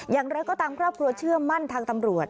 อย่างไรก็ตามครอบครัวเชื่อมั่นทางตำรวจ